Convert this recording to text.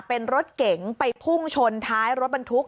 เป็นรถเก๋งไปพุ่งชนท้ายรถบรรทุก